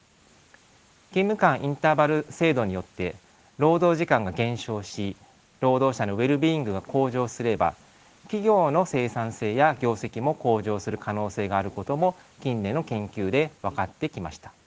勤務間インターバル制度によって労働時間が減少し労働者のウェルビーイングが向上すれば企業の生産性や業績も向上する可能性があることも近年の研究で分かってきました。